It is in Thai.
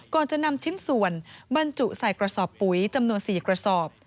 ก่อนจะนำชิ้นส่วนบรรจุใส่กระสอบปุ๋ยจำนวน๔กระสอบ